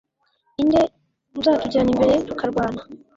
inde uzatujya imbere tukarwana